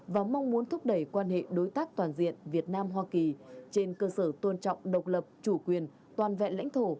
và mong muốn thúc đẩy quan hệ đối tác toàn diện việt nam hoa kỳ trên cơ sở tôn trọng độc lập chủ quyền toàn vẹn lãnh thổ